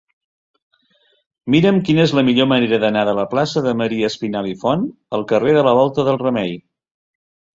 Mira'm quina és la millor manera d'anar de la plaça de Maria Espinalt i Font al carrer de la Volta del Remei.